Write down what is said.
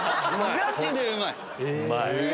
ガチでうまい！